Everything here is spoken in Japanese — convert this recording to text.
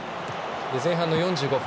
前半の４５分。